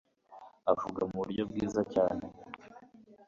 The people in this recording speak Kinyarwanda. avuga mu buryo bwiza cyane